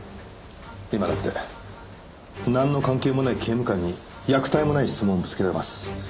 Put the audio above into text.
今だってなんの関係もない刑務官に益体もない質問をぶつけてます。